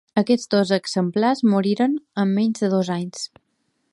Aquests dos exemplars moriren en menys de dos anys.